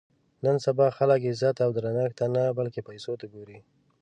نن سبا خلک عزت او درنښت ته نه بلکې پیسو ته ګوري.